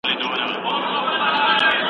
ایا انارګل به بیا لښتې ته غږ وکړي؟